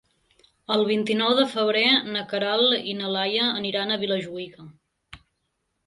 El vint-i-nou de febrer na Queralt i na Laia aniran a Vilajuïga.